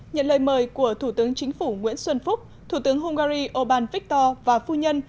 nhận lời mời của thủ tướng chính phủ nguyễn xuân phúc thủ tướng hungary orbán victor và phu nhân